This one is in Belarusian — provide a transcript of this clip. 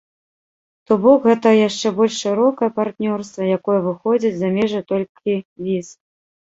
То бок гэта яшчэ больш шырокае партнёрства, якое выходзіць за межы толькі віз.